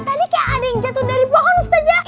tadi kayak ada yang jatuh dari pohon saja